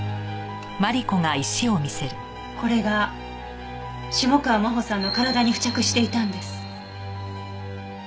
これが下川真帆さんの体に付着していたんです。